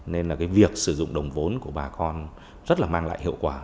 nên việc sử dụng đồng vốn của bà con rất là mang lại hiệu quả